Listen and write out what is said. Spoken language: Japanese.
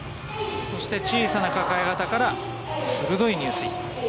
そして小さな抱え型から鋭い入水。